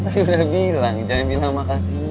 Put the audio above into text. kan tadi udah bilang jangan bilang makasih dulu